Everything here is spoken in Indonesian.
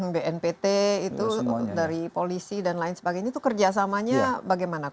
bnpt itu dari polisi dan lain sebagainya itu kerjasamanya bagaimana